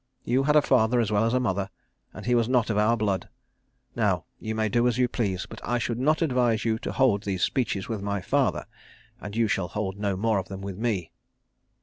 You had a father as well as a mother, and he was not of our blood. Now you may do as you please; but I should not advise you to hold these speeches with my father; and you shall hold no more of them with me."